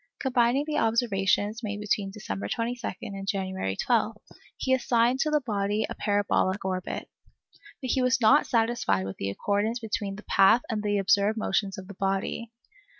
Combining the observations made between December 22 and January 12, he assigned to the body a parabolic orbit. But he was not satisfied with the accordance between this path and the observed motions of the body.